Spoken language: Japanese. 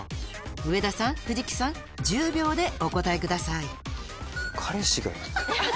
上田さん藤木さん１０秒でお答えください